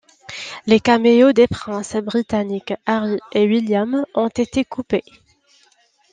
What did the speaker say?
Les caméos des princes britanniques Harry et William ont été coupés.